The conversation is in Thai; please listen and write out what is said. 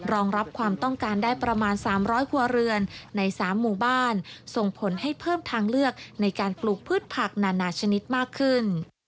รองรับความต้องการได้ประมาณ๓๐๐ครัวเรือนใน๓หมู่บ้านส่งผลให้เพิ่มทางเลือกในการปลูกพืชผักนานาชนิดมากขึ้น